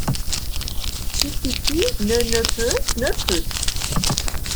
Qui, qui, qui, ne, ne peut, ne peut.